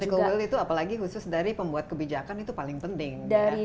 legal will itu apalagi khusus dari pembuat kebijakan itu paling penting